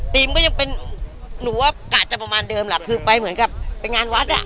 ก็ยังเป็นหนูว่ากะจะประมาณเดิมแหละคือไปเหมือนกับไปงานวัดอ่ะ